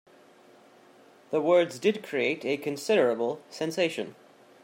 The words did create a considerable sensation.